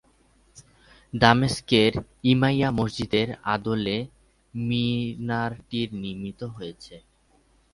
দামেস্কের উমাইয়া মসজিদের আদলে মিনারটি নির্মিত হয়েছে।